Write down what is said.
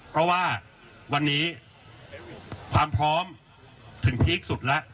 เพราะว่าวันนี้ความพร้อมถึงพีคสุดแล้ว